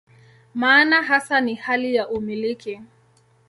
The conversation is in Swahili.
Maana hasa ni hali ya "umiliki".